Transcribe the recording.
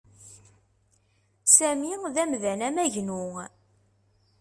Sami d amdan amagnu.